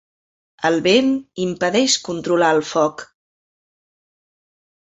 El vent impedeix controlar el foc.